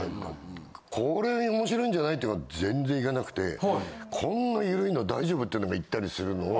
これ面白いんじゃない？ってのは全然いかなくてこんなゆるいの大丈夫？っていうのがいったりするのを。